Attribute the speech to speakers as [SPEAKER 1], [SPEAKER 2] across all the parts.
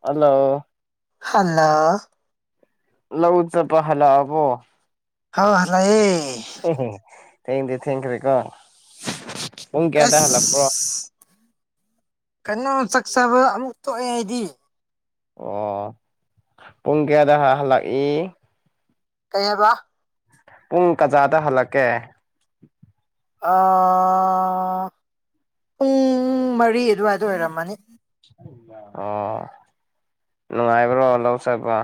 [SPEAKER 1] Hello
[SPEAKER 2] hello
[SPEAKER 1] ꯂꯧ ꯎ ꯆ ꯄ ꯍꯂꯕꯣ
[SPEAKER 2] ꯍꯥ ꯍꯂꯑꯌꯦ
[SPEAKER 1] ꯎ ꯊꯦꯡꯗꯦ ꯊꯦꯡꯀ꯭ꯔꯦ ꯀꯣ ꯄꯨꯡ ꯀꯌꯥꯗꯏ ꯍꯜꯂꯛꯄ꯭ꯔꯣ
[SPEAKER 2] ꯀꯩꯅꯣꯝ ꯆꯥꯛꯆꯕ ꯑꯃꯨꯛ ꯊꯣꯛꯑꯦ ꯍꯥꯏꯗꯤ
[SPEAKER 1] ꯑꯣ ꯄꯨꯡ ꯀꯌꯥꯗ ꯍꯜꯂꯛꯏ
[SPEAKER 2] ꯀꯩꯅꯕ
[SPEAKER 1] ꯄꯨꯡ ꯀꯖꯥꯗ ꯍꯜꯂꯛꯀꯦ
[SPEAKER 2] ꯄꯨꯡ ꯃꯔꯤ ꯑꯗꯨꯋꯥꯏꯗ ꯑꯣꯏꯔꯝꯃꯅꯤ
[SPEAKER 1] ꯑꯣ ꯅꯨꯡꯉꯥꯏꯕ꯭ꯔꯣ ꯂꯧ ꯆꯠꯕ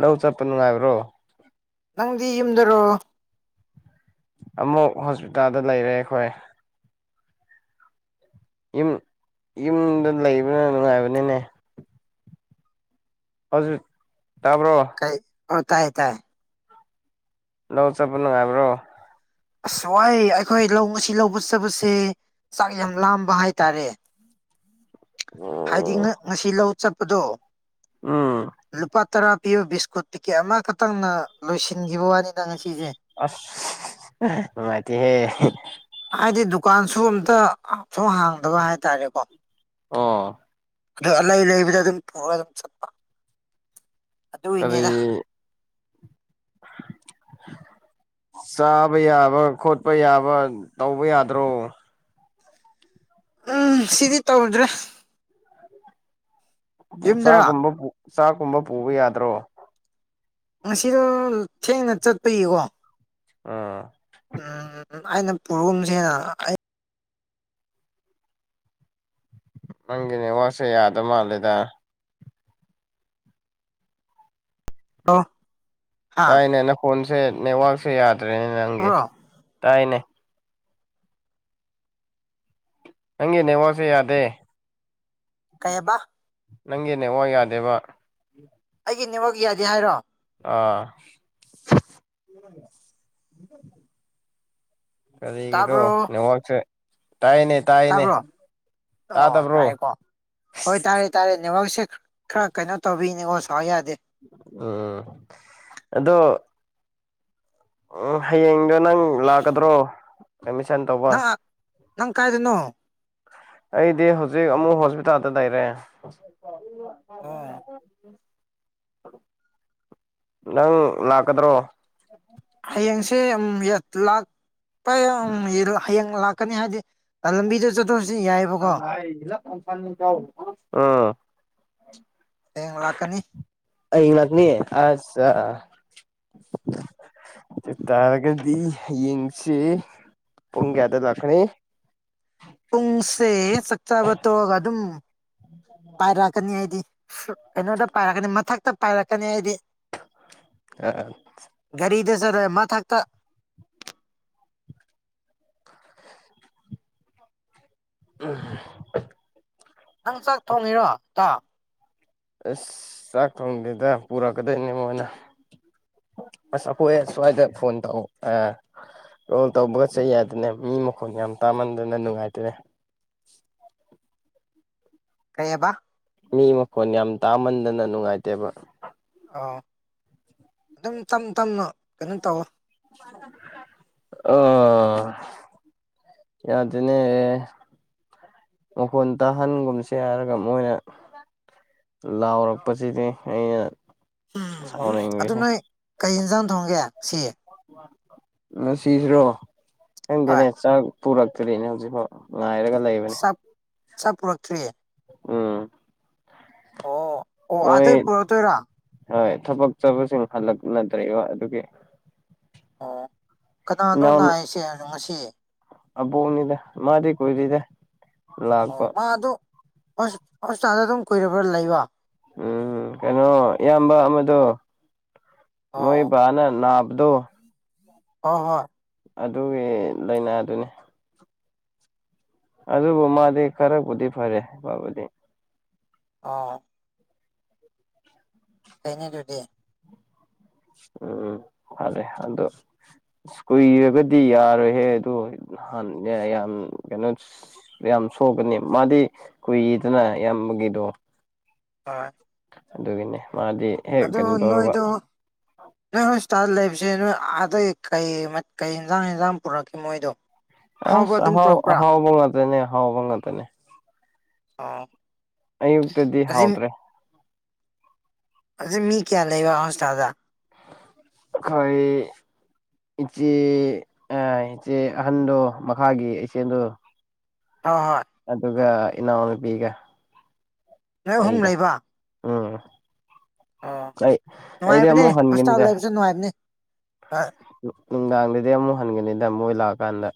[SPEAKER 1] ꯂꯧ ꯆꯠꯄ ꯅꯨꯡꯉꯥꯏꯕ꯭ꯔꯣ
[SPEAKER 2] ꯅꯪꯗꯤ ꯌꯨꯝꯗꯔꯣ
[SPEAKER 1] ꯑꯃꯨꯛ ꯍꯣꯁꯄꯤꯇꯥꯜꯗ ꯂꯩꯔꯦ ꯑꯩꯈꯣꯏ ꯌꯨꯝ ꯌꯨꯝꯗ ꯂꯩꯕꯅ ꯅꯨꯡꯉꯥꯏꯕꯅꯤꯅꯦ ꯍꯧꯖꯤꯛ ꯇꯥꯕ꯭ꯔꯣ
[SPEAKER 2] ꯀꯩ ꯑꯣ ꯇꯥꯏ ꯇꯥꯏ
[SPEAKER 1] ꯂꯧ ꯆꯠꯄ ꯅꯨꯉꯥꯏꯕ꯭ꯔꫭ
[SPEAKER 2] ꯑꯁ ꯋꯥꯏ ꯑꯩꯈꯣꯏ ꯂꯧ ꯉꯁꯤ ꯂꯧꯕ ꯆꯞꯄꯁꯦ ꯆꯥꯛ ꯌꯥꯝ ꯂꯥꯝꯕ ꯍꯥꯏꯇꯥꯔꯦ ꯍꯥꯏꯗꯤ ꯉꯁꯤ ꯂꯧ ꯆꯠꯄꯗꯣ
[SPEAKER 1] ꯎꯝ
[SPEAKER 2] ꯂꯨꯄꯥ ꯇꯔꯥ ꯄꯤꯕ ꯕꯤꯁꯀꯨꯠ ꯇꯤꯛꯀꯦꯠ ꯑꯃꯈꯛꯇꯪꯅ ꯂꯣꯏꯁꯤꯟꯈꯤꯕ ꯋꯥꯅꯤꯗ ꯉꯁꯤ
[SPEAKER 1] ꯑꯁ ꯃꯥꯗꯤ ꯍꯦ
[SPEAKER 2] ꯗꯨꯀꯥꯟꯁꯨꯣ ꯑꯝꯇ ꯁꯨꯝ ꯍꯥꯡꯗꯕ ꯍꯥꯏꯇꯥꯔꯦꯀꯣ
[SPEAKER 1] ꯑꯣ
[SPEAKER 2] ꯑꯗꯨ ꯑꯂꯩ ꯂꯩꯕꯗ ꯑꯗꯨꯝ ꯄꯨꯔꯒ ꯑꯗꯨꯝ ꯆꯠꯄ ꯑꯗꯨꯏꯅꯦꯗ
[SPEAKER 1] ꯀꯔꯤ [unintelligible] ꯆꯥꯕ ꯌꯥꯕ ꯈꯣꯠꯄ ꯌꯥꯕ ꯇꯧꯕ ꯌꯥꯗ꯭ꯔꯣ
[SPEAKER 2] ꯎꯝ ꯁꯤꯗꯤ ꯇꯧꯗ꯭ꯔꯦ ꯌꯨꯝꯗꯔꯣ
[SPEAKER 1] ꯆꯥꯒꯨꯝꯕ ꯆꯥꯛꯒꯨꯝꯕ ꯄꯨꯕ ꯌꯥꯗ꯭ꯔꯣ
[SPEAKER 2] ꯉꯁꯤꯗꯣ ꯊꯦꯡꯅ ꯆꯠꯄꯌꯦꯀꯣ
[SPEAKER 1] ꯑꯥ
[SPEAKER 2] ꯎꯝ ꯑꯩꯅ ꯄꯨꯔꯛꯨꯝꯁꯦꯅ ꯑꯩ
[SPEAKER 1] ꯅꯪꯒꯤꯅꯦ ꯋꯥꯁꯦ ꯌꯥꯗ ꯃꯥꯜꯂꯦꯗ
[SPEAKER 2] ꯍꯥ
[SPEAKER 1] ꯇꯥꯏꯅꯦꯅꯦ ꯐꯣꯟꯁꯦ ꯅꯦꯠꯋꯥꯛꯛꯁꯦ ꯌꯥꯗ꯭ꯔꯦꯅꯦ ꯅꯪꯒꯤ
[SPEAKER 2] ꯇꯥꯕ꯭ꯔꯣ
[SPEAKER 1] ꯇꯥꯏꯅꯦ ꯍꯪꯦꯅꯦ ꯋꯥꯁꯤꯦꯗꯦ
[SPEAKER 2] ꯀꯩꯕ
[SPEAKER 1] ꯅꯪꯒꯤꯅꯦ ꯋꯥ ꯌꯥꯗꯦꯕ
[SPEAKER 2] ꯑꯩꯒꯤ ꯅꯦꯝꯃꯛ ꯌꯥꯗꯦ ꯍꯥꯏꯔꯣ
[SPEAKER 1] ꯑꯥ ꯀꯔꯤꯒꯗꯣ
[SPEAKER 2] ꯇꯥꯕ꯭ꯔꯣ
[SPEAKER 1] ꯅ ꯍꯁꯦ
[SPEAKER 2] ꯇꯥꯕ꯭ꯔꯣ ꯑꯣ
[SPEAKER 1] ꯇꯥꯗꯕ꯭ꯔꯣ
[SPEAKER 2] ꯇꯥꯏꯦꯀꯣ ꯍꯣꯏ ꯇꯥꯔꯦ ꯇꯥꯔꯦ ꯅꯕꯥꯛꯁꯦ ꯈꯔ ꯀꯩꯅꯣ ꯇꯧꯕꯤꯅꯤ ꯑꯣ ꯁꯥꯎ ꯌꯥꯗꯦ
[SPEAKER 1] ꯎꯝ ꯑꯗꯣ ꯎꯝ ꯍꯌꯦꯡꯗꯣ ꯅꯪ ꯂꯥꯛꯀꯗ꯭ꯔꯣ ꯑꯦꯠꯃꯤꯁꯟ ꯇꯧꯕ
[SPEAKER 2] ꯅꯪ ꯅꯪ ꯀꯥꯏꯗꯅꯣ
[SPEAKER 1] ꯑꯩꯗꯤ ꯍꯧꯖꯤꯛ ꯑꯃꯨꯛ ꯍꯣꯁꯄꯤꯇꯥꯜꯗ ꯂꯩꯔꯦ ꯑꯣ
[SPEAKER 2] ꯑꯣ
[SPEAKER 1] ꯅꯪ ꯂꯥꯛꯀꯗ꯭ꯔꯣ
[SPEAKER 2] ꯍꯌꯦꯡꯁꯦ ꯂꯥꯛ ꯍꯌꯦꯡ ꯂꯥꯛꯀꯅꯤ ꯍꯥꯏꯕꯗꯤ ꯂꯝꯕꯤꯗ ꯆꯠꯇꯁꯨ ꯌꯥꯏꯑꯕꯀꯣ
[SPEAKER 1] ꯑꯥ
[SPEAKER 2] ꯍꯌꯦꯡ ꯂꯥꯛꯀꯅꯤ
[SPEAKER 1] ꯑꯩ ꯉꯅꯤ ꯑꯆꯥ ꯇꯔꯒꯗꯤ ꯌꯦꯡꯁꯤ ꯄꯨꯡꯒꯦꯗ ꯂꯈꯅꯤ
[SPEAKER 2] ꯄꯨꯡꯁꯦ ꯆꯥꯛꯆꯥꯕ ꯇꯣꯛꯑꯒ ꯑꯗꯨꯝ ꯄꯥꯏꯔꯛꯀꯅꯤ ꯍꯥꯏꯗꯤ ꯀꯩꯅꯣꯗ ꯄꯥꯏꯔꯛꯀꯅꯤ ꯃꯊꯛꯇ ꯄꯥꯏꯔꯛꯀꯅꯤ ꯑꯩꯗꯤ
[SPEAKER 1] ꯑ
[SPEAKER 2] ꯗꯦꯁꯔꯦ ꯃꯥ ꯊꯥꯛꯇꯥ
[SPEAKER 1] ꯎꯝ
[SPEAKER 2] ꯅꯪ ꯆꯥꯛ ꯊꯣꯡꯉꯤꯔꯣ ꯏꯇꯥꯎ
[SPEAKER 1] ꯑꯁ ꯆꯥꯛ ꯊꯣꯡꯗꯦꯗ ꯄꯨꯔꯛꯀꯗꯣꯏꯅꯦ ꯃꯣꯏꯅ ꯑꯁ ꯑꯩꯈꯣꯏꯁ꯭ꯋꯥꯏꯗ ꯐꯣꯟ ꯇꯧ ꯀꯣꯜ ꯇꯧꯕꯒ ꯆꯩ ꯍꯥꯏꯗꯅ ꯃꯤ ꯃꯈꯣꯟ ꯌꯥꯝ ꯆꯃꯟꯗꯅ ꯅꯨꯡꯉꯥꯏꯇ꯭ꯔꯦ
[SPEAKER 2] ꯀꯩꯕ
[SPEAKER 1] ꯃꯤ ꯃꯈꯣꯟ ꯌꯥꯝ ꯇꯥꯃꯟꯗꯅ ꯅꯨꯡꯉꯥꯏꯇꯦꯕ
[SPEAKER 2] ꯑꯣ ꯑꯗꯨꯝ ꯇꯞ ꯇꯝꯅ ꯀꯩꯅꯣ ꯇꯧꯋ
[SPEAKER 1] ꯑꯣ ꯌꯥ ꯑꯗꯨꯅꯦ ꯃꯈꯣꯟ ꯇꯥꯍꯟꯒꯨꯝꯁꯦ ꯍꯥꯏꯔꯒ ꯃꯣꯏꯅ ꯂꯥꯎꯔꯛꯄꯁꯤꯗꯤ ꯑꯩꯅ
[SPEAKER 2] ꯎꯝ ꯑꯗꯨ
[SPEAKER 1] ꯁꯥꯎꯅꯤꯡꯉꯁꯦ
[SPEAKER 2] ꯅꯣꯏ ꯀꯩ ꯌꯦꯟꯖꯥꯡ ꯊꯣꯡꯒꯦ ꯁꯤ
[SPEAKER 1] ꯉꯁꯤꯁꯤꯔꯣ
[SPEAKER 2] ꯍꯣꯏ
[SPEAKER 1] ꯈꯪꯗꯦꯅꯦ ꯆ ꯄꯨꯔꯛꯇ꯭ꯔꯦꯅꯦ ꯍꯧꯖꯤꯛꯐꯥꯎ ꯂꯥꯏꯔꯒꯂ ꯂꯩꯕꯅꯦ
[SPEAKER 2] ꯆ ꯄꯨꯔꯛꯇ꯭ꯔꯤꯌꯦ
[SPEAKER 1] ꯎꯝ
[SPEAKER 2] ꯑꯣ ꯑꯣ
[SPEAKER 1] ꯃꯣꯏ
[SPEAKER 2] ꯑꯇꯩꯩ ꯄꯨꯣ ꯇꯔ
[SPEAKER 1] ꯍꯣꯏ ꯊꯕꯛ ꯆꯠꯕꯁꯤꯡ ꯍꯜꯂꯛꯅꯗ꯭ꯔꯕ ꯑꯗꯨꯒꯤ
[SPEAKER 2] ꯑꯣ ꯀꯅꯥꯅꯣ
[SPEAKER 1] ꯏꯅꯥꯎ
[SPEAKER 2] ꯅꯥꯏꯁꯦ ꯉꯁꯤ
[SPEAKER 1] ꯑꯕꯣꯛꯅꯤꯗ ꯃꯥꯗꯤ ꯀꯨꯏꯗ꯭ꯔꯤꯗ
[SPEAKER 2] ꯑꯣ
[SPEAKER 1] ꯂꯥꯛꯄ
[SPEAKER 2] ꯃꯥ ꯑꯗꯨ ꯍꯣꯁꯄꯤꯇꯥꯜꯗ ꯑꯗꯨꯝ ꯀꯨꯏꯔꯕ꯭ꯔꯥ ꯂꯩꯕ
[SPEAKER 1] ꯎꯝ ꯀꯩꯅꯣ ꯏꯌꯥꯝꯕ ꯑꯃꯗꯣ ꯃꯣꯏ ꯕꯥꯅ ꯅꯥ ꯗꯣ
[SPEAKER 2] ꯑ ꯍ
[SPEAKER 1] ꯑꯗꯨꯒꯤ ꯂꯥꯏꯅꯥꯗꯨꯅꯤ ꯑꯗꯨꯕꯨ ꯃꯥꯗꯤ ꯈꯔꯕꯨꯗꯤ ꯐꯔꯦ ꯃꯥꯕꯨꯗꯤ
[SPEAKER 2] ꯑꯥ ꯀꯩꯅ ꯑꯗꯨꯗꯤꯦ
[SPEAKER 1] ꯎꯝ ꯐꯔꯦ ꯑꯗꯣ ꯀꯨꯏꯔꯒꯗꯤ ꯌꯥꯔꯣꯏꯍꯦ ꯑꯗꯨ ꯍꯥꯟ ꯌꯥꯝ ꯀꯩꯅꯣ ꯌꯥꯝ ꯁꯣꯛꯀꯅꯤ ꯃꯥꯗꯤ ꯀꯨꯏꯗꯅ ꯌꯥꯝ ꯗꯣ
[SPEAKER 2] ꯍꯣꯏ
[SPEAKER 1] ꯑꯗꯨꯒꯅꯦ
[SPEAKER 2] ꯑꯗ ꯏꯅ ꯏꯗꯨ ꯁ ꯂꯥꯏꯐ ꯁꯦ ꯅꯣꯏ ꯑꯗꯩ ꯀꯩ ꯀꯩ ꯌꯦꯟꯖꯥꯡ ꯌꯦꯟꯖꯥꯡ ꯄꯨꯔꯛꯈꯤ ꯃꯣꯏꯗꯣ
[SPEAKER 1] ꯑꯦ
[SPEAKER 2] ꯑꯍꯥꯎꯕ ꯑꯗꯨꯝ
[SPEAKER 1] ꯑꯍꯥꯎ
[SPEAKER 2] ꯄꯨꯔꯛꯄ꯭ꯔꯥ
[SPEAKER 1] ꯑꯍꯥꯎꯕ ꯉ ꯇꯅꯦ ꯑꯍꯥꯎꯕ ꯉ ꯇꯅꯦ
[SPEAKER 2] ꯑ
[SPEAKER 1] ꯑꯩ ꯎꯛꯇꯗꯤ ꯍꯥꯎꯗ꯭ꯔꯦ
[SPEAKER 2] ꯁꯦ ꯃꯤ ꯀꯌꯥ ꯂꯩꯕ ꯍꯁ ꯇꯥꯖꯥ
[SPEAKER 1] ꯑꯩꯣꯏ ꯏꯆꯦ ꯏꯆꯦ ꯑꯍꯟꯗꯣ ꯃꯈꯥꯒꯤ ꯏꯆꯦꯗꯣ
[SPEAKER 2] ꯍꯣꯏ ꯍꯣꯏ
[SPEAKER 1] ꯑꯗꯨꯒ ꯏꯅꯥꯎꯅꯨꯄꯤꯒ
[SPEAKER 2] ꯅꯣꯏ ꯑꯍꯨꯝ
[SPEAKER 1] ꯑꯩꯒ
[SPEAKER 2] ꯂꯩꯕ
[SPEAKER 1] ꯎꯝ꯫
[SPEAKER 2] ꯑꯣ
[SPEAKER 1] ꯑꯩ ꯑꯩꯗꯤ
[SPEAKER 2] ꯅꯨꯡꯉꯥꯏꯕꯅꯦ
[SPEAKER 1] ꯑꯃꯨꯛ
[SPEAKER 2] ꯍꯣꯁꯄꯤꯇꯥꯜ
[SPEAKER 1] ꯍꯟꯒꯅꯤꯗ
[SPEAKER 2] ꯂꯩꯕꯁꯨꯦ ꯅꯨꯡꯉꯥꯏꯕꯅꯤ ꯍꯣꯏ
[SPEAKER 1] ꯅꯨꯡꯗꯥꯡꯗꯗꯤ ꯑꯃꯨꯛ ꯍꯟꯒꯅꯤꯗ ꯃꯣꯏ ꯂꯥꯛꯑꯀꯥꯟꯗ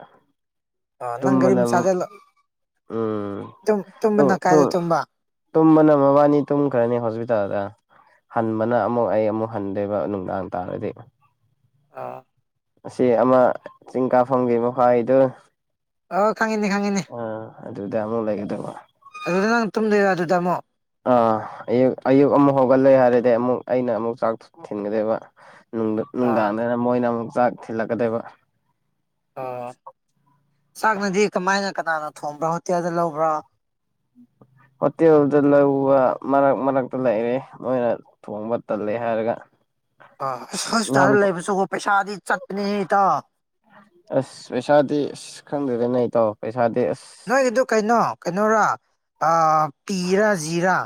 [SPEAKER 2] ꯑꯣ ꯅꯪ ꯔꯤ ꯃ
[SPEAKER 1] ꯇꯨꯝꯕꯅ
[SPEAKER 2] ꯆꯗ
[SPEAKER 1] ꯎꯝ
[SPEAKER 2] ꯇꯨꯝ ꯅ ꯀꯥꯏꯗ ꯇꯨꯝꯕꯥ
[SPEAKER 1] ꯇꯨꯝꯕꯅ ꯃꯕꯥꯅꯤ ꯇꯨꯝꯈ꯭ꯔꯅꯤ ꯍꯣꯁꯄꯤꯇꯥꯜꯗ ꯍꯟꯕꯅ ꯑꯃꯨꯛ ꯑꯩ ꯑꯃꯨꯛ ꯍꯟꯗꯣꯏꯕ ꯅꯨꯡꯗꯥꯡ ꯇꯥꯔꯗꯤ
[SPEAKER 2] ꯑꯥ
[SPEAKER 1] ꯑꯁꯤ ꯑꯃ ꯆꯤꯡ ꯀꯥ ꯐꯪꯒꯤꯕ ꯐꯥꯏꯗꯨ
[SPEAKER 2] ꯑꯣ ꯈꯪꯉꯤꯅꯤ ꯈꯪꯉꯤꯅꯤ
[SPEAKER 1] ꯑ ꯑꯗꯨꯗꯥꯃ ꯂꯩꯦ ꯀꯦ ꯇꯉ
[SPEAKER 2] ꯑꯗꯨꯗ ꯅꯪ ꯇꯨꯝꯗꯣꯏꯔ ꯑꯗꯨꯗ ꯑꯃꯨꯛ
[SPEAKER 1] ꯑ ꯑ ꯑꯌ ꯑꯃ ꯍꯒꯂ ꯌꯥꯔꯦ ꯑꯗꯩ ꯑꯃꯨꯛ ꯑꯩꯅ ꯑꯃꯨꯛ ꯆꯥꯛ ꯊꯤꯟꯒꯗꯕ
[SPEAKER 2] ꯑ
[SPEAKER 1] ꯅꯨꯡꯗꯥꯡꯗꯅ ꯃꯣꯏꯅ ꯑꯃꯨꯛ ꯆꯥꯛ ꯊꯤꯜꯂꯛꯀꯗꯣꯏꯕ
[SPEAKER 2] ꯑꯣ ꯆꯥꯛꯅꯗꯤ ꯀꯃꯥꯏꯅ ꯀꯅꯥꯅꯣ ꯊꯣꯡꯕ꯭ꯔꯥ ꯍꯣꯇꯦꯜꯗ ꯂꯧꯕ꯭ꯔꯥ
[SPEAKER 1] ꯎꯝ ꯍꯣꯇꯦꯜꯗ ꯂꯧꯕ ꯃꯔꯛ ꯃꯔꯛꯇ ꯂꯩꯔꯦ ꯃꯣꯏꯅ ꯊꯣꯡꯕ ꯇꯜꯂꯦ ꯍꯥꯏꯔꯒ
[SPEAKER 2] ꯑ ꯑ
[SPEAKER 1] ꯅꯍꯥꯟ
[SPEAKER 2] ꯍꯣꯁꯄꯤꯇꯥꯜꯗ ꯂꯩꯕꯁꯨꯀꯣ ꯄꯩꯁꯥꯗꯤ ꯆꯠꯄꯅꯤꯇ
[SPEAKER 1] ꯑꯁ ꯄꯩꯁꯥꯗꯤ ꯑꯁ ꯈꯪꯗꯗꯦ ꯅ ꯑꯩ ꯇꯧꯑꯣ ꯄꯩꯁꯥ
[SPEAKER 2] ꯅꯣꯏꯒꯤꯗꯨ ꯀꯩꯅꯣ ꯀꯩꯅꯔꯥ ꯄꯤꯔꯥ ꯖꯤꯔꯥ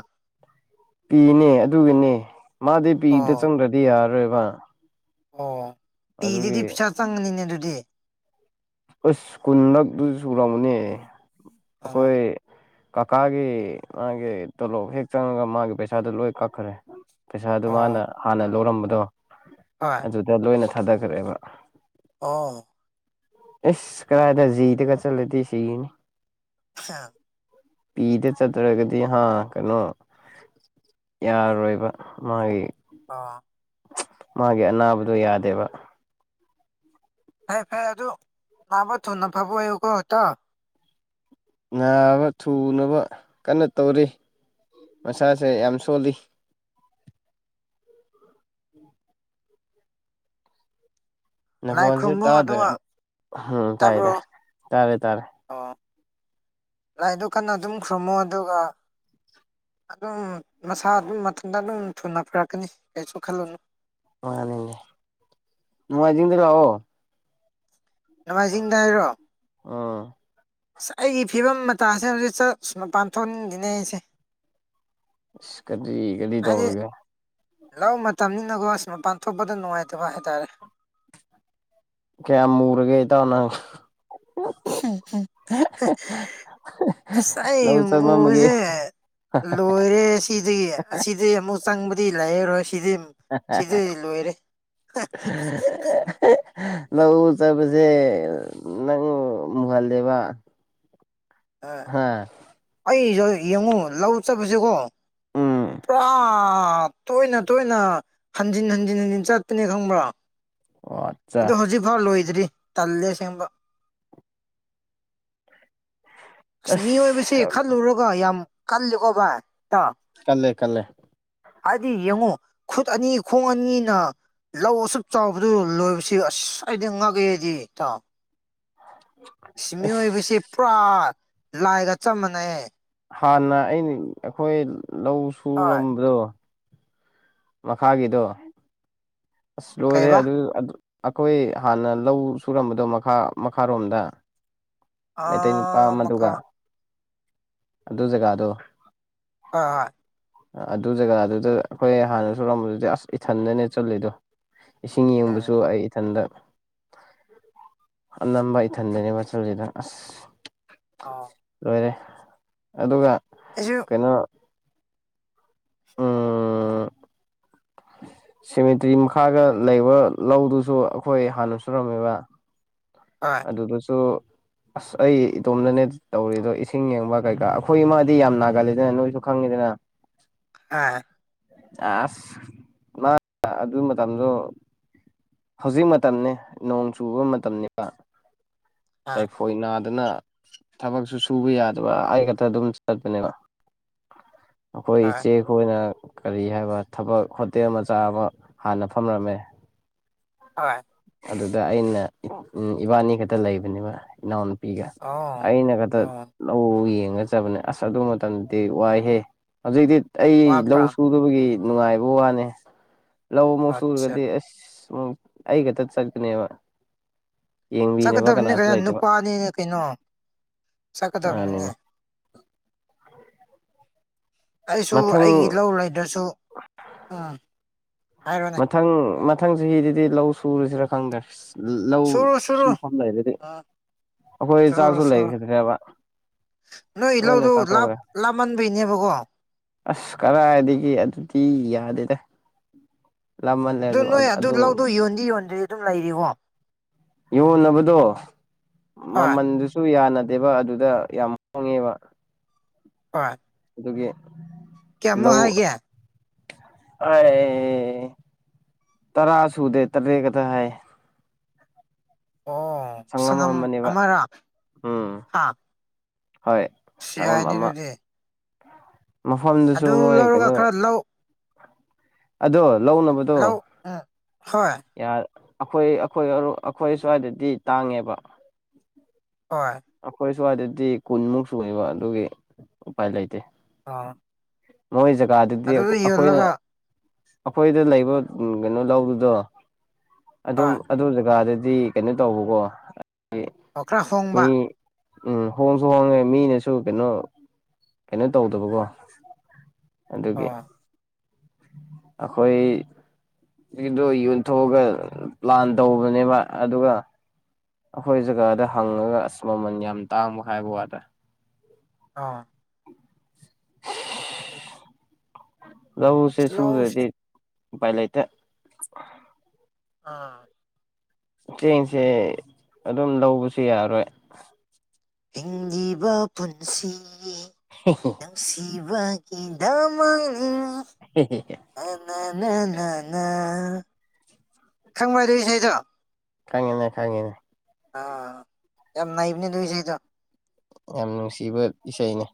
[SPEAKER 1] ꯄꯤꯅꯦ ꯑꯗꯨꯒꯅꯦ ꯃꯥꯗꯤ ꯄꯤꯗ
[SPEAKER 2] ꯑꯣ
[SPEAKER 1] ꯆꯪꯗ꯭ꯔꯗꯤ ꯌꯥꯔꯔꯣꯏꯕ
[SPEAKER 2] ꯑꯣ ꯄꯤꯗꯗꯤ
[SPEAKER 1] ꯑꯗꯨꯒꯤ
[SPEAKER 2] ꯄꯩꯁꯥ ꯆꯪꯒꯅꯤꯅꯦ ꯑꯗꯨꯗꯤ
[SPEAKER 1] ꯑꯁ ꯀꯨꯟꯂꯛꯇꯨ ꯁꯨꯔꯝꯅꯦ
[SPEAKER 2] ꯑꯣ
[SPEAKER 1] ꯑꯩꯈꯣꯏ ꯀꯀꯥꯒꯤ ꯃꯥꯒꯤ ꯇꯣꯂꯣꯞ ꯍꯦꯛ ꯆꯪꯉꯒ ꯃꯥꯒꯤ ꯄꯩꯁꯥꯗꯨꯣ ꯂꯣꯏ ꯀꯛꯈ꯭ꯔꯦ ꯄꯩꯁꯥꯗꯨ ꯃꯥꯅ
[SPEAKER 2] ꯑꯣ
[SPEAKER 1] ꯍꯥꯟꯅ ꯂꯧꯔꯝꯕꯗꯣ
[SPEAKER 2] ꯍꯣꯏ
[SPEAKER 1] ꯑꯗꯨꯗ ꯂꯣꯏꯅ ꯊꯥꯗꯈ꯭ꯔꯦꯕ
[SPEAKER 2] ꯑꯥ
[SPEAKER 1] ꯏꯁꯁ ꯀꯗꯁꯤꯗ ꯀ ꯆꯂꯦꯇ ꯁꯤꯅꯤ
[SPEAKER 2] ꯑ
[SPEAKER 1] ꯄꯤꯗ ꯆꯠꯇ꯭ꯔꯒꯗꯤ ꯍꯥ ꯀꯩꯅꯣ ꯌꯥꯔꯣꯏꯕ ꯃꯥꯒꯤ
[SPEAKER 2] ꯑ
[SPEAKER 1] ꯃꯥꯒꯤ ꯑꯅꯥꯕꯗꯨꯣ ꯌꯥꯗꯦꯕ
[SPEAKER 2] ꯐꯦ ꯐꯔ ꯑꯗꯨ ꯃꯥꯕ ꯊꯨ ꯅ ꯐꯥꯕꯣ ꯑ ꯀꯣ ꯇ
[SPEAKER 1] ꯅꯥꯕ ꯊꯨꯅꯕ ꯀꯟꯅ ꯇꯧꯔꯤ ꯃꯁꯥꯁꯦ ꯌꯥꯝ ꯁꯣꯜꯂꯤ
[SPEAKER 2] ꯂꯥꯏ
[SPEAKER 1] ꯅꯈꯣꯟꯁꯦ
[SPEAKER 2] ꯈꯨꯔꯨꯝꯕꯨ
[SPEAKER 1] ꯇꯥꯗ꯭ꯔꯦ
[SPEAKER 2] ꯑꯗꯨꯒ
[SPEAKER 1] ꯎꯝ ꯇꯥꯏ
[SPEAKER 2] ꯇꯥꯕ꯭ꯔꯣ
[SPEAKER 1] ꯇꯥꯏ ꯇꯥꯔꯦ ꯇꯥꯔꯦ
[SPEAKER 2] ꯑꯣ ꯂꯥꯏꯗꯨ ꯀꯟꯅ ꯑꯗꯨꯝ ꯈꯔꯨꯝꯃꯣ ꯑꯗꯨꯒ ꯑꯗꯨꯝ ꯃꯁꯥ ꯑꯗꯨꯝ ꯃꯊꯟꯇ ꯑꯗꯨꯝ ꯊꯨꯅ ꯐꯔꯛꯀꯅꯤ ꯀꯩꯁꯨ ꯈꯜꯂꯨꯅꯨ
[SPEAKER 1] ꯍ ꯃ ꯑꯤꯡꯗꯔ ꯂꯕꯣ
[SPEAKER 2] ꯅꯃꯥꯏꯖꯤꯡꯗ ꯍꯥꯏꯔꯣ
[SPEAKER 1] ꯑꯥ
[SPEAKER 2] ꯑꯁ ꯑꯩꯒꯤ ꯐꯤꯕꯝ ꯃꯇꯁꯦ ꯍꯧꯖꯤꯛ ꯆ ꯁ ꯃ ꯄꯥꯟꯊꯣꯛꯈꯤꯅꯦ ꯑꯩꯁꯦ
[SPEAKER 1] ꯀꯗꯤ ꯀꯗꯤ
[SPEAKER 2] ꯍꯥꯏꯗꯤ
[SPEAKER 1] ꯇꯧꯔꯒꯦ
[SPEAKER 2] ꯂꯧ ꯃꯇꯝꯅꯤꯅꯀꯣ ꯁꯤ ꯃꯄꯥꯟ ꯊꯣꯛꯄꯗ ꯅꯨꯡꯉꯥꯏꯇꯕ ꯍꯥꯏꯇꯥꯔꯦ
[SPEAKER 1] ꯀꯌꯥ ꯃꯨꯔꯒꯦ ꯊ ꯑꯣꯅ
[SPEAKER 2] ꯁ
[SPEAKER 1] ꯂꯧ ꯆꯠꯃꯝꯃꯒꯦ
[SPEAKER 2] ꯃꯦ ꯂꯣꯏꯔꯦ ꯁꯤꯗꯒꯤ ꯑꯁꯤꯗꯒꯤ ꯑꯃꯨꯛ ꯆꯪꯕꯗꯤ ꯂꯩꯔꯔꯣꯏ ꯁꯤꯗꯤ ꯁꯤꯗꯤ ꯂꯣꯏꯔꯦ
[SPEAKER 1] ꯂꯧ ꯎ ꯆꯥꯕꯁꯦ ꯅꯪ ꯃꯨꯍꯜꯂꯦꯕ
[SPEAKER 2] ꯑ ꯑꯩꯁꯨ ꯌꯦꯡꯉꯨ ꯂꯧ ꯆꯠꯄꯁꯦꯀꯣ꯫ ꯑ ꯑ ꯇꯣꯏꯅ ꯇꯣꯏꯅ ꯍꯟꯖꯤꯟ ꯍꯟꯖꯤꯟ ꯍꯟꯖꯤꯟ ꯆꯠꯇꯄꯅꯦ ꯈꯪꯕ꯭ꯔꯥ꯫ ꯑꯗꯨꯣ ꯍꯧꯖꯤꯛ ꯐꯥꯎ ꯂꯣꯏ꯫ ꯔꯤ ꯇꯦꯟ ꯑꯥꯁꯦꯡꯕ ꯑꯁ ꯃꯤꯑꯣꯏꯕꯁꯤ ꯈꯜꯂꯨꯔꯒ ꯌꯥꯝ ꯀꯜꯂꯤꯀꯣ ꯚꯏ
[SPEAKER 1] ꯀꯜꯂꯦ ꯀꯜꯂꯦ
[SPEAKER 2] ꯍꯥꯏꯗꯤ ꯌꯦꯡꯉꯣ ꯈꯨꯠ ꯑꯅꯤ ꯈꯣꯡ ꯑꯅꯤꯅ ꯂꯧ ꯑꯁꯨꯛ ꯆꯥꯎꯕꯗꯨ ꯂꯣꯏꯕꯁꯤ ꯑꯁ ꯑꯩꯗꯤ ꯉꯥꯛꯑꯦꯗꯤ ꯏꯇꯥꯎ ꯁꯤ
[SPEAKER 1] ꯑꯁ
[SPEAKER 2] ꯃꯤꯑꯣꯏꯕꯁꯤ ꯄꯨꯔꯥ ꯂꯥꯏꯒ ꯆꯞ ꯃꯥꯟꯅꯩ
[SPEAKER 1] ꯍꯥꯟꯅ ꯑꯩꯅ ꯑꯩꯈꯣꯏ ꯂꯧ
[SPEAKER 2] ꯍꯣꯏ
[SPEAKER 1] ꯁꯨꯔꯝꯕꯗꯣ ꯃꯈꯥꯒꯤꯗꫭ ꯑꯁ ꯂꯣꯔꯦ
[SPEAKER 2] ꯀꯩꯕ
[SPEAKER 1] ꯑꯗꯨ ꯑꯗꯨ ꯑꯩꯈꯣꯏ ꯍꯥꯟꯅ ꯂꯧ ꯁꯨꯔꯝꯕꯗꯣ ꯃꯈꯥꯔꯣꯝꯗ ꯃꯩꯇꯩ ꯅꯨꯄꯥ
[SPEAKER 2] ꯑꯥ
[SPEAKER 1] ꯑꯃꯗꯨꯒ
[SPEAKER 2] ꯃꯈꯥ
[SPEAKER 1] ꯑꯗꯨ ꯖꯒꯥꯗꯣ
[SPEAKER 2] ꯍ ꯍꯣꯏ
[SPEAKER 1] ꯑꯗꯨ ꯖꯒꯥꯗꯨꯗ ꯑꯩꯈꯣꯏ ꯍꯥꯟꯅ ꯁꯨꯔꯝꯕꯗꯨꯗꯤ ꯑꯁ ꯏꯊꯟꯗꯅꯦ ꯆꯜꯂꯤꯗꯣ ꯏꯁꯤꯡ ꯌꯦꯡꯕꯁꯨ
[SPEAKER 2] ꯎꯝ
[SPEAKER 1] ꯑꯩ ꯏꯊꯟꯗ ꯑꯅꯝꯕ ꯏꯊꯟꯗꯅꯦ ꯃꯆꯨꯁꯤꯗ ꯑꯁ
[SPEAKER 2] ꯑꯣ
[SPEAKER 1] ꯂꯣꯏꯔꯦ ꯑꯗꯨꯒ
[SPEAKER 2] ꯑꯩꯁꯨ
[SPEAKER 1] ꯀꯩꯅꯣ ꯎ ꯁꯤꯦꯃꯤꯇ꯭ꯔꯤ ꯃꯈꯥꯒ ꯂꯩꯕ ꯂꯧꯗꯨꯁꯨ ꯑꯩꯈꯣꯏ ꯍꯥꯟꯅ ꯁꯨꯔꯝꯃꯦꯕ꯫
[SPEAKER 2] ꯍꯣꯏ
[SPEAKER 1] ꯑꯗꯨꯗꯁꯨ꯫ ꯑꯁ ꯑꯩ ꯏꯇꯣꯝꯅꯅꯦ ꯇꯧꯔꯤꯗꯣ ꯏꯁꯤꯡ ꯌꯦꯡꯕ ꯀꯩꯀꯥ ꯑꯩꯈꯣꯏꯃꯗꯤ ꯌꯥꯝ ꯅꯥꯒꯂꯗꯅ ꯅꯣꯏꯁꯨ ꯍꯪꯉꯗꯅ
[SPEAKER 2] ꯍꯣꯏ
[SPEAKER 1] ꯑꯁ ꯑꯗꯨ ꯃꯇꯝꯗꯣ ꯍꯧꯖꯤꯛ ꯃꯇꯝꯅꯤꯅꯦ ꯅꯣꯡ ꯆꯨꯕ ꯃꯇꯝꯅꯤꯕ
[SPEAKER 2] ꯍꯣꯏ
[SPEAKER 1] ꯇꯥꯏꯐꯣꯏꯅꯥ ꯑꯗꯨꯅ ꯊꯕꯛꯁꯨ ꯁꯨꯕ ꯌꯥꯗꯕ ꯑꯩ ꯈꯛꯇ ꯑꯗꯨꯝ ꯆꯠꯄꯅꯦꯀꯣ ꯑꯩꯈꯣꯏ
[SPEAKER 2] ꯍꯣꯏ
[SPEAKER 1] ꯏꯆꯦ ꯈꯣꯏꯅ ꯀꯔꯤ ꯍꯥꯏꯕ ꯊꯕꯛ ꯍꯣꯇꯦꯜ ꯃꯆꯥ ꯑꯃ ꯍꯥꯟꯅ ꯐꯝꯔꯝꯃꯦ
[SPEAKER 2] ꯍꯣꯏ
[SPEAKER 1] ꯑꯗꯨꯗ ꯑꯩꯅ ꯎꯝ ꯏꯕꯥꯅꯤ ꯈꯛꯇ ꯂꯩꯕꯅꯦꯕ ꯏꯅꯥꯎ ꯄꯤꯒ
[SPEAKER 2] ꯑꯣ
[SPEAKER 1] ꯑꯩꯅ ꯈꯛꯇ
[SPEAKER 2] ꯑꯣ
[SPEAKER 1] ꯂꯧ ꯌꯦꯡ ꯈꯪꯒꯠꯆꯕꯅꯦ ꯑꯁ ꯑꯗꯨ ꯃꯇꯝꯗꯗꯤ ꯋꯥꯏꯍꯦ ꯍꯧꯖꯤꯛꯇꯤ ꯑꯩ ꯂꯧ
[SPEAKER 2] ꯋꯥꯕ꯭ꯔꯥ
[SPEAKER 1] ꯁꯨꯗꯕꯒꯤ ꯅꯨꯡꯉꯥꯏꯕ ꯋꯥꯅꯦ ꯂꯧ ꯑꯃꯨꯛ
[SPEAKER 2] ꯑꯠꯆꯥ
[SPEAKER 1] ꯁꯨꯔꯒꯗꯤ ꯑꯁ ꯑꯃꯨꯛ ꯑꯩ ꯈꯛꯇ ꯆꯠꯄꯥꯅꯦꯕ
[SPEAKER 2] ꯆꯀꯗꯕꯅꯦ ꯀꯩꯅꯣ ꯅꯨꯄꯥꯅꯤꯅꯦ ꯀꯩꯅꯣ ꯆꯠꯀꯗꯕꯥꯅꯦ
[SPEAKER 1] ꯑꯅꯤꯅꯦ
[SPEAKER 2] ꯑꯩꯁꯨ
[SPEAKER 1] ꯃꯊꯪ
[SPEAKER 2] ꯑꯩꯒꯤ ꯂꯧ ꯂꯩꯗ꯭ꯔꯁꯨ ꯎꯝ ꯍꯥꯏꯔꯣꯅꯦ
[SPEAKER 1] ꯃꯊꯪ ꯃꯊꯪꯁꯤ ꯍꯤꯗꯗꯤ ꯂꯧ ꯁꯨꯔꯨꯁꯤꯔꯥ ꯈꯪꯗ꯭ꯔꯦ ꯂꯧ
[SPEAKER 2] ꯁꯨꯔꯣ ꯁꯨꯔꯣ
[SPEAKER 1] ꯁꯨꯡꯐꯝ ꯂꯩꯗꯗꯤ
[SPEAKER 2] ꯎꯝ
[SPEAKER 1] ꯑꯩꯈꯣꯏ
[SPEAKER 2] ꯁꯨꯔꯣ
[SPEAKER 1] ꯆꯥꯛꯁꯨ
[SPEAKER 2] ꯁꯨꯔꯣ
[SPEAKER 1] ꯂꯩꯈꯤꯗ꯭ꯔꯦꯕ
[SPEAKER 2] ꯅꯣꯏ
[SPEAKER 1] ꯂꯣꯏꯅ
[SPEAKER 2] ꯏꯍꯧꯗꯨ ꯂꯥꯞ
[SPEAKER 1] ꯆꯥꯊꯣꯛꯈ꯭ꯔꯦ
[SPEAKER 2] ꯃꯥꯟꯕꯩꯅꯦꯕꯀꯣ
[SPEAKER 1] ꯑꯁ ꯀꯗꯥꯥꯏꯗꯒꯤ ꯑꯗꯨꯗꯤ ꯌꯥꯗꯦꯗ
[SPEAKER 2] ꯑꯗꯨ ꯅꯣꯏ ꯑꯗꯨ ꯂꯧꯗꯣ ꯌꯣꯟꯗꯤ ꯌꯣꯟꯗ꯭ꯗꯤ ꯑꯗꯨꯝ ꯂꯩꯔꯤꯀꯣ
[SPEAKER 1] ꯌꯣꯟꯅꯕꯗꯣ
[SPEAKER 2] ꯍꯣꯏ
[SPEAKER 1] ꯃꯃꯜꯗꯨꯁꯨ ꯌꯥꯅ ꯗꯦꯕ ꯑꯗꯨꯗ ꯌꯥꯝ ꯍꯣꯡꯉꯦꯕ
[SPEAKER 2] ꯄꯠ
[SPEAKER 1] ꯑꯗꯨꯒꯤ
[SPEAKER 2] ꯀꯌꯥꯃꯨꯛ
[SPEAKER 1] ꯂꯧ
[SPEAKER 2] ꯍꯥꯏꯒꯦ
[SPEAKER 1] ꯑꯩ ꯇꯔꯥ ꯁꯨꯗꯦ ꯇꯔꯦꯠ ꯀꯗ ꯍꯥꯏ
[SPEAKER 2] ꯑꯣ
[SPEAKER 1] ꯁꯪꯉꯝ
[SPEAKER 2] ꯁꯪꯒꯝ
[SPEAKER 1] ꯑꯃꯅꯦꯕ
[SPEAKER 2] ꯑꯃꯔꯥ
[SPEAKER 1] ꯎꯝ
[SPEAKER 2] ꯍꯥꯥ
[SPEAKER 1] ꯍꯣꯏ ꯁꯪꯒꯣꯝ ꯑꯃ ꯃꯐꯝꯗꯨꯁꯨ
[SPEAKER 2] ꯑꯗꯨ
[SPEAKER 1] ꯃꯣꯏ
[SPEAKER 2] ꯂꯧꯔꯒ
[SPEAKER 1] ꯀꯩꯅꯣ
[SPEAKER 2] ꯈꯔ ꯂꯧ
[SPEAKER 1] ꯑꯗꯣ ꯂꯧꯅꯕꯗꯣ
[SPEAKER 2] ꯂꯧ ꯎꯝ ꯍꯣꯏ
[SPEAKER 1] ꯌꯥ ꯑꯩꯈꯣꯏ ꯑꯩꯈꯣꯏ ꯑꯩꯈꯣꯏ ꯁ꯭ꯋꯥꯏꯗꯗꯤ ꯇꯥꯡꯉꯦꯕ
[SPEAKER 2] ꯍꯣꯏ
[SPEAKER 1] ꯑꯩꯈꯣꯏ ꯁ꯭ꯋꯥꯏꯗꯗꯤ ꯀꯨꯟꯃꯨꯛ ꯁꯨꯢꯌꯦꯕ ꯑꯗꯨꯒꯤ ꯎꯄꯥꯏ ꯂꯩꯇꯦ
[SPEAKER 2] ꯑꯥ
[SPEAKER 1] ꯃꯣꯏ ꯖꯒꯥꯗꯨꯗꯤ ꯑꯩꯈꯣꯏꯅ ꯑꯩꯈꯣꯏꯗ ꯂꯩꯕ ꯀꯩꯅꯣ ꯂꯧꯗꯨꯗꯣ ꯑꯗꯨꯝ
[SPEAKER 2] ꯍꯣꯏ
[SPEAKER 1] ꯑꯗꯨ ꯖꯒꯥꯗ ꯗꯤ ꯀꯩꯅꯣ ꯇꯧꯕꯀꯣ
[SPEAKER 2] ꯑꯣ ꯈꯔ
[SPEAKER 1] ꯃꯤ
[SPEAKER 2] ꯍꯣꯡꯕ
[SPEAKER 1] ꯎꯝ ꯍꯣꯡꯁꯨ ꯍꯣꯡꯉꯦ ꯃꯤꯅꯁꯨ ꯀꯩꯅꯣ ꯀꯩꯅꯣ ꯇꯧꯗꯕꯀꯣ ꯑꯗꯨꯒꯤ
[SPEAKER 2] ꯑꯣ
[SPEAKER 1] ꯑꯩꯈꯣꯏ ꯁꯤꯗꯣ ꯌꯣꯟꯊꯣꯛꯑꯒ ꯄ꯭ꯂꯥꯟ ꯇꯧꯕꯅꯦꯕ ꯑꯗꯨꯒ ꯑꯩꯈꯣꯏ ꯖꯒꯥꯗ ꯍꯪꯉꯒ ꯑꯁ ꯃꯃꯜ ꯌꯥꯝ ꯇꯥꯡꯕ ꯍꯥꯏꯕ ꯋꯥꯗ
[SPEAKER 2] ꯑꯥ
[SPEAKER 1] ꯂꯧꯁꯦ
[SPEAKER 2] ꯂꯧꯁꯦ
[SPEAKER 1] ꯁꯨꯔꯗꯤ ꯎꯄꯥꯏ ꯂꯩꯇꯤ
[SPEAKER 2] ꯑꯥ
[SPEAKER 1] ꯆꯦꯡꯁꯦ ꯑꯗꯨꯝ ꯂꯧꯕꯁꯨ ꯌꯥꯔꯣꯏ
[SPEAKER 2] ꯍꯤꯡꯂꯤꯕ ꯄꯨꯟꯁꯤ ꯅꯨꯡꯁꯤꯕ ꯗꯃꯛꯅꯤ ꯅꯥ ꯅꯥ ꯅꯥ ꯈꯪꯕ ꯑꯗꯨꯏ ꯏꯁꯩꯗꯣ
[SPEAKER 1] ꯈꯪꯉꯤꯅꯦ ꯈꯪꯉꯤꯅꯦ
[SPEAKER 2] ꯑꯥ ꯌꯥꯝ ꯉꯩꯕꯅꯦ ꯅꯣꯢ ꯁꯤꯗꯣ
[SPEAKER 1] ꯌꯥꯝ ꯅꯨꯡꯁꯤꯕ ꯏꯁꯩꯅꯦ